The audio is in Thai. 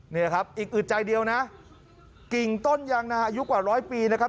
นี่ครับอีกอึดใจเดียวนะกิ่งต้นยังนะฮะอายุกว่าร้อยปีนะครับ